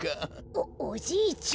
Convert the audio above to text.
おおじいちゃん。